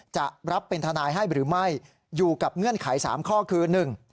จะรับเป็นทนายให้หรือไม่อยู่กับเงื่อนไขสามข้อคือหนึ่ง